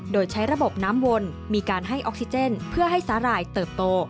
โดยใช้ระบบน้ำวนมีการให้ออกซิเจนเพื่อให้สาหร่ายเติบโต